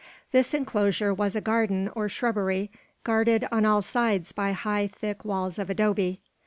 This inclosure was a garden or shrubbery, guarded on all sides by high, thick walls of adobe.